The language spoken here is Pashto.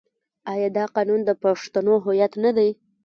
آیا دا قانون د پښتنو هویت نه دی؟